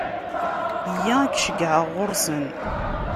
Yya, ad k-ceggɛeɣ ɣur-sen.